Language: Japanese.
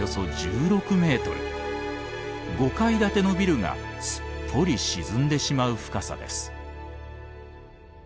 ５階建てのビルがすっぽり沈んでしまう深さです。